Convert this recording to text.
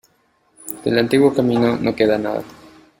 Del antiguo camino no queda nada.